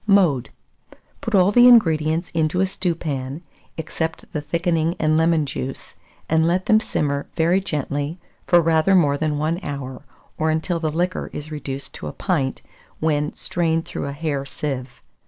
Mode. Put all the ingredients into a stewpan, except the thickening and lemon juice, and let them simmer very gently for rather more than 1 hour, or until the liquor is reduced to a pint, when strain through a hair sieve.